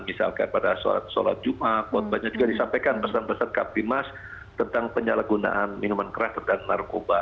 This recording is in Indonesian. misalkan pada sholat jumat banyak juga disampaikan pesan pesan kab pimas tentang penyalahgunaan minuman keras dan narkoba